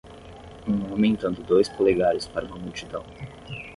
um homem dando dois polegares para uma multidão.